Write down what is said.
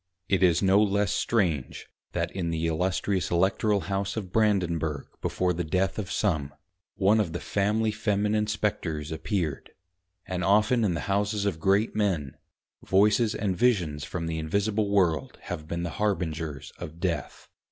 It is no less strange that in the Illustrious Electoral House of Brandenburg before the Death of some one of the Family Feminine Spectres appeared: and often in the Houses of Great men, Voices and Visions from the Invisible World have been the Harbingers of Death.